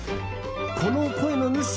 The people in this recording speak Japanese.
この声の主。